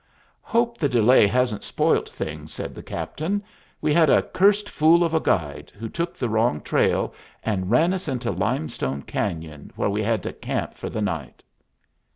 "Hope the delay hasn't spoilt things," said the captain. "We had a cursed fool of a guide, who took the wrong trail and ran us into Limestone Cañon, where we had to camp for the night."